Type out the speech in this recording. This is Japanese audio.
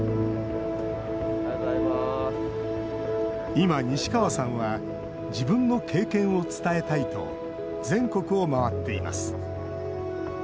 今、西川さんは自分の経験を伝えたいと全国を回っています。